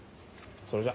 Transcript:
それじゃ。